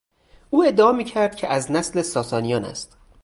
او ادعا میکرد که از نسل ساسانیان است.